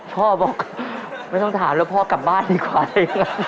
พ่อบอกไม่ต้องถามแล้วพ่อกลับบ้านดีกว่า